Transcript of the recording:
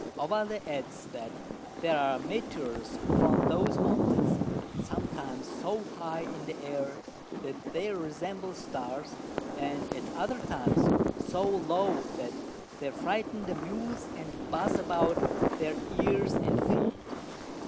Ovalle adds, That there are Meteors upon those Mountains sometimes so high in the Air, that they resemble Stars, and at other times so low, that they frighten the Mules and buz about their Ears and Feet.